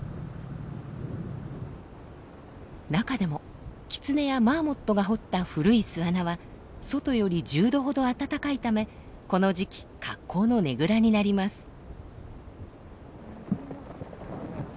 中でもキツネやマーモットが掘った古い巣穴は外より１０度ほど暖かいためこの時期格好のねぐらになります。